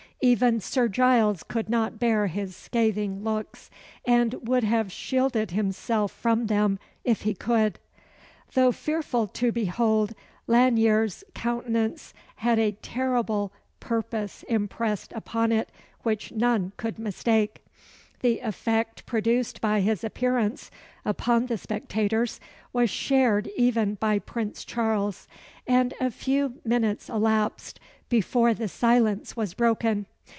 Even Sir Giles could not bear his scathing looks, and would have shielded himself from them if he could. Though fearful to behold, Lanyere's countenance had a terrible purpose impressed upon it which none could mistake. The effect produced by his appearance upon the spectators was shared even by Prince Charles, and a few minutes elapsed before the silence was broken.